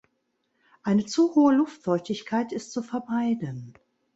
Eine zu hohe Luftfeuchtigkeit ist zu vermeiden.